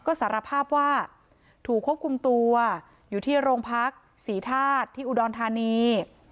ก็สารภาพว่าถูกควบคุมตัวอยู่ที่โรงพักศรีธาตุที่อุดรธานี